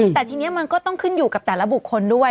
แต่ทีนี้มันก็ต้องขึ้นอยู่กับแต่ละบุคคลด้วย